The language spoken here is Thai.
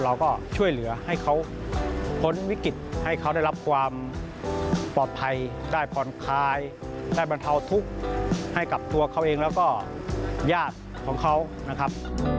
เราก็ช่วยเหลือให้เขาพ้นวิกฤตให้เขาได้รับความปลอดภัยได้ผ่อนคลายได้บรรเทาทุกข์ให้กับตัวเขาเองแล้วก็ญาติของเขานะครับ